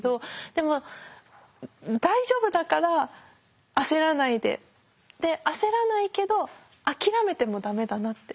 でも大丈夫だから焦らないで焦らないけど諦めてもダメだなって。